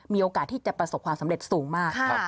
มีโอกาสที่จะประสบความสำเร็จสูงมาก